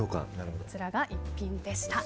こちらが逸品でした。